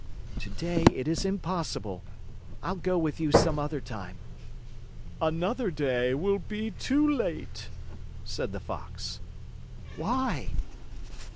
"Today it is impossible. I'll go with you some other time." "Another day will be too late," said the Fox. "Why?"